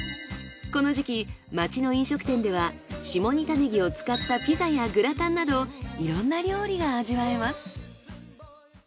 この時期町の飲食店では下仁田ねぎを使ったピザやグラタンなどいろんな料理が味わえます。